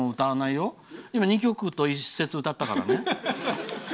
もう２曲と１節、歌ったからね。